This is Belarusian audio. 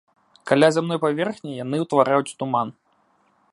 Каля зямной паверхні яны ўтвараюць туман.